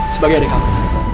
sebagai adik kamu